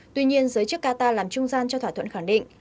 tuy nhiên giới chức qatar làm trung gian cho thỏa thuận khẳng định